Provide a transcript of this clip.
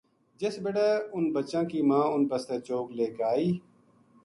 جس بِڑے انھ بچاں کی ماں اُنھ بسطے چوگ لے کے اَئی